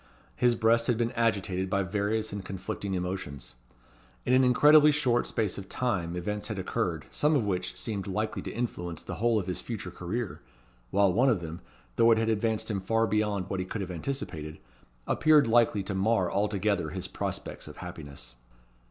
His breast had been agitated by various and conflicting emotions. In an incredibly short space of time events had occurred, some of which seemed likely to influence the whole of his future career; while one of them, though it had advanced him far beyond what he could have anticipated, appeared likely to mar altogether his prospects of happiness.